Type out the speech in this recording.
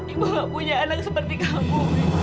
ibu gak punya anak seperti kamu